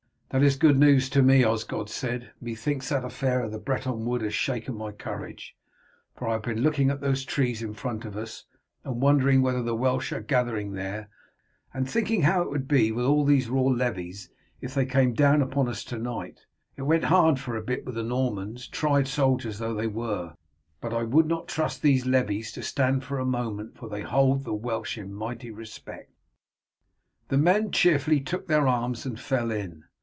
"That is good news to me," Osgod said. "Methinks that affair in the Breton wood has shaken my courage, for I have been looking at those trees in front of us, and wondering whether the Welsh are gathering there, and thinking how it would be with all these raw levies if they came down upon us to night It went hard for a bit with the Normans, tried soldiers though they were, but I would not trust these levies to stand for a moment, for they hold the Welsh in mighty respect." The men cheerfully took their arms and fell in.